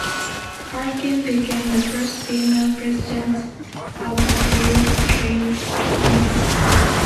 Harkin became the first female President of the Derry Trades Council.